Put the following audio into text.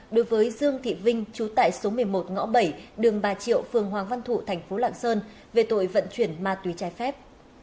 đối với dương thị vinh chú tại số một mươi một ngõ bảy đường bà triệu phường hoàng văn thụ thành phố lạng sơn về tội vận chuyển ma túy trái phép